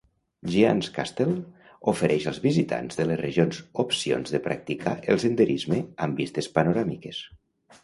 Giants Castle ofereix als visitants de les regions opcions de practicar el senderisme amb vistes panoràmiques.